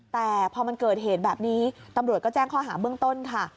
แต่พอมันเกิดเหตุแบบนี้ตำรวจก็แจ้งข้อหาเบื้องต้นค่ะ